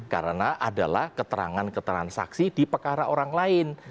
karena adalah keterangan keterangan saksi di pekara orang lain